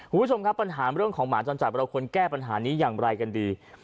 ผู้ชมเป็นเรื่องของหมาจรจัดเราต้องแก้ปัญหานี้อย่างไรกันดี